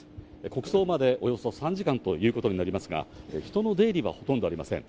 国葬までおよそ３時間ということになりますが、人の出入りがほとんどありません。